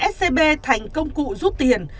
scb thành công cụ rút tiền